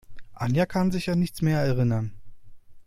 Anja kann sich an nichts mehr erinnern.